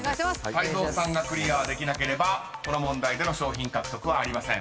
泰造さんがクリアできなければこの問題での賞品獲得はありません］